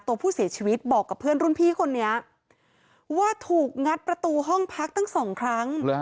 ตัวผู้เสียชีวิตบอกกับเพื่อนรุ่นพี่คนนี้ว่าถูกงัดประตูห้องพักตั้งสองครั้ง